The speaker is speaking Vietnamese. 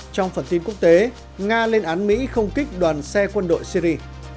trong phần tin quốc tế nga lên án mỹ không kích đoàn xe quân đội syri